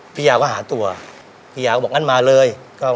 พี่ยาวก็หาตัวก็มาเลย